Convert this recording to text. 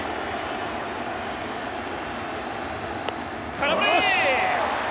空振り！